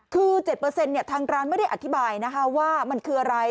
คือ๗ทางร้านไม่ได้อธิบายนะคะว่ามันคืออะไร